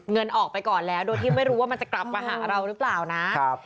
เงินออกไปก่อนแล้วโดยที่ไม่รู้ว่ามันจะกลับมาหาเราหรือเปล่านะ